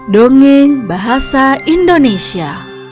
dongeng bahasa indonesia